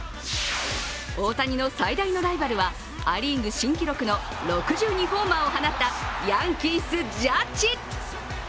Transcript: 大谷の最大のライバルはア・リーグ新記録の６２ホーマーを放ったヤンキース、ジャッジ。